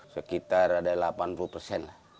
sekitar ada delapan puluh persen